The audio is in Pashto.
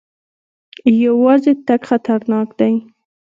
یوازې تګ خطرناک دی.